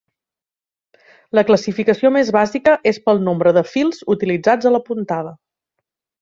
La classificació més bàsica és pel nombre de fils utilitzats a la puntada.